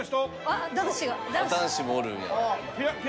男子もおるんや。